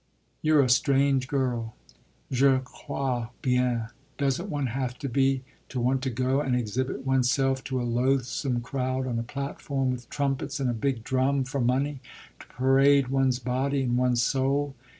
"You're a strange girl." "Je crois bien! Doesn't one have to be, to want to go and exhibit one's self to a loathsome crowd, on a platform, with trumpets and a big drum, for money to parade one's body and one's soul?"